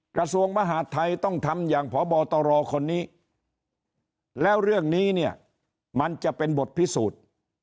กระทรวงมหาดไทยต้องทำอย่างพบตรคนนี้แล้วเรื่องนี้เนี่ยมันจะเป็นบทพิสูจน์